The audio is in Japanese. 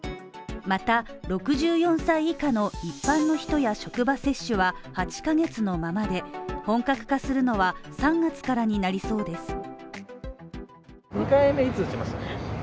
また、６４歳以下の一般の人や職場接種は８ヶ月のままで本格化するのは３月からになりそうです。